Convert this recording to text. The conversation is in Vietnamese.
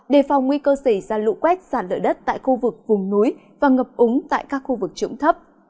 đề phòng nguy cơ xảy ra lũ quét sạt lở đất tại khu vực vùng núi và ngập úng tại các khu vực trụng thấp